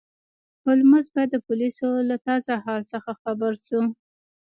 هولمز به د پولیسو له تازه حال څخه خبر شو.